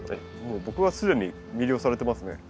もう僕は既に魅了されてますね。